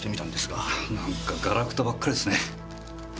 何かガラクタばっかりっすね。